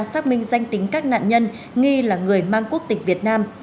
xác minh danh tính các nạn nhân nghi là người mang quốc tịch việt nam